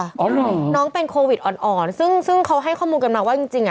อ๋อเหรอน้องเป็นโควิดอ่อนอ่อนซึ่งซึ่งเขาให้ข้อมูลกันมาว่าจริงจริงอ่ะ